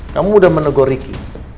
kamu udah menegur ricky